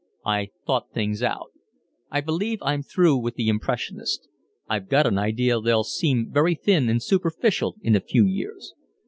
"I thought things out. I believe I'm through with the Impressionists; I've got an idea they'll seem very thin and superficial in a few years.